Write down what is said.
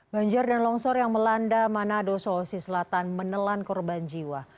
banjir dan longsor yang melanda manado sulawesi selatan menelan korban jiwa